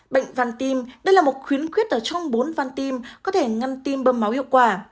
bệnh văn tim đây là một khuyến khuyết ở trong bốn van tim có thể ngăn tim bâm máu hiệu quả